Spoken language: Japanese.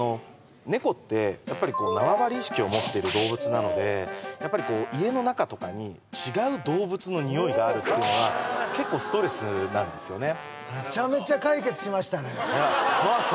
猫ってやっぱり縄張り意識を持ってる動物なので家の中とかに違う動物のにおいがあるっていうのは結構ストレスなんですよね